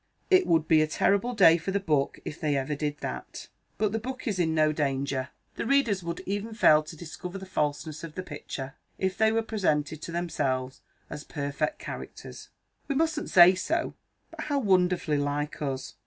It would be a terrible day for the book if they ever did that. But the book is in no danger. The readers would even fail to discover the falseness of the picture, if they were presented to themselves as perfect characters. 'We mustn't say so, but how wonderfully like us!'